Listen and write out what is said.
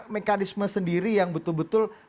mekanisme sendiri yang betul betul